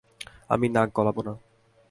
আমি নাক গলাবো না।